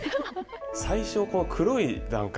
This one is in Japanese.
最初この黒い段階。